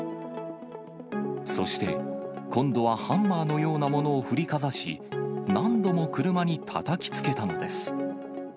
そして今度はハンマーのようなものを振りかざし、何度も車にたたきつけたのです。